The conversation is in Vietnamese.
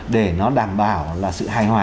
để nó đảm bảo là sự hài hòa